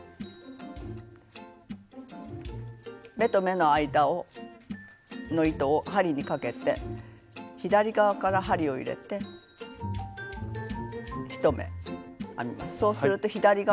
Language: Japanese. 目と目の間の糸を針にかけて左側から針を入れて１目編みます。